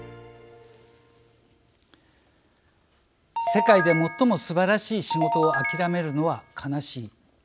世界で最もすばらしい仕事を諦めるのは悲しい。